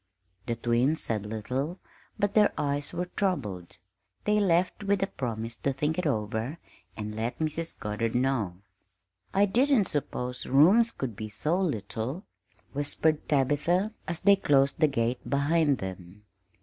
The twins said little, but their eyes were troubled. They left with the promise to think it over and let Mrs. Goddard know. "I didn't suppose rooms could be so little," whispered Tabitha, as they closed the gate behind them.